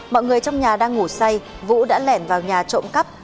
mọi người trong nhà đang ngủ say vũ đã lẻn vào nhà trộm cắp